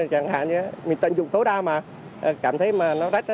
chẳng hạn như mình tận dụng tối đa mà cảm thấy mà nó rách